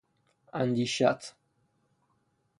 اندیشت